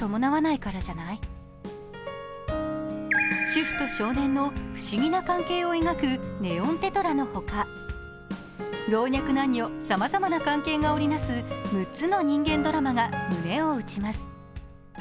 主婦と少年の不思議な関係を描くネオンテトラ」のほか老若男女さまざまな関係が織り成す６つの人間ドラマが胸を打ちます。